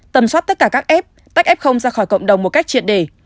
tầm soát tất cả các f tách f ra khỏi cộng đồng một cách triệt đề